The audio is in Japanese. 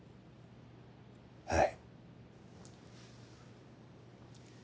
はい。